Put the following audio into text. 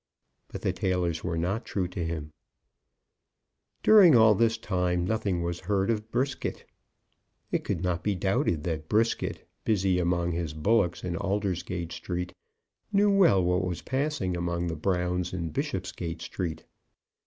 But the tailors were not true to him. During all this time nothing was heard of Brisket. It could not be doubted that Brisket, busy among his bullocks in Aldersgate Street, knew well what was passing among the Browns in Bishopsgate Street.